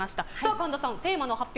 神田さん、テーマの発表